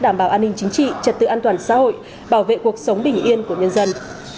đảm bảo an ninh chính trị trật tự an toàn xã hội bảo vệ cuộc sống bình yên của nhân dân